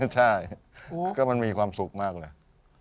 ใช่ก็มันมีความสุขมากเลย